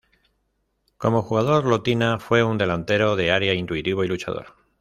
Como jugador Lotina fue un delantero de área, intuitivo y luchador.